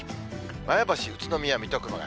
前橋、宇都宮、水戸、熊谷。